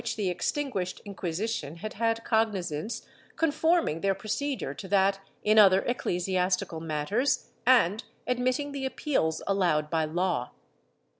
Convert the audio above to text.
I] VICISSITUDES OF TOLERATION 469 extinguished Inquisition had had cognizance, conforming their procedure to that in other ecclesiastical matters and admitting the appeals allowed by law.